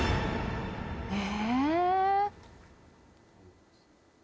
え。